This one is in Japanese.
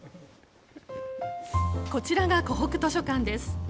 こちらが江北図書館です。